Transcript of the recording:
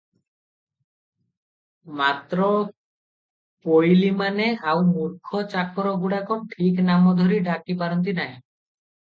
ମାତ୍ର ପୋଇଲିମାନେ ଆଉ ମୂର୍ଖ ଚାକରଗୁଡାକ ଠିକ ନାମ ଧରି ଡାକି ପାରନ୍ତି ନାହିଁ ।